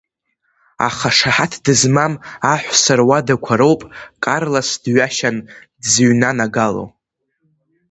Аха шаҳаҭ дызмам аҳәса руадақәа роуп Карлос дҩашьан дзыҩнанагало!